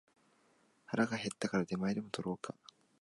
腹が減ったから出前でも取ろうか